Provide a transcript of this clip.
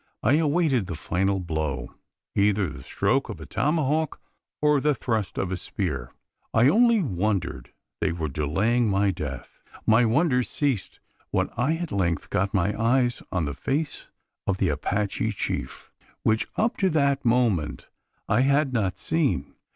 I awaited the final blow either the stroke of a tomahawk or the thrust of a spear. I only wondered they were delaying my death. My wonders ceased, when I at length got my eyes on the face of the Apache chief which up to that moment I had not seen.